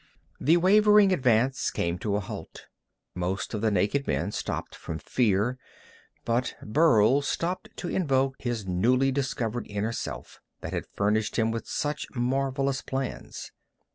The wavering advance came to a halt. Most of the naked men stopped from fear, but Burl stopped to invoke his newly discovered inner self, that had furnished him with such marvelous plans.